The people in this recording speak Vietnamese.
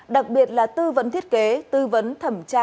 đặc biệt là tư vấn thiết kế tư vấn thẩm tra